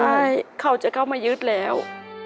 ใช่เขาจะเข้ามายึดแล้ว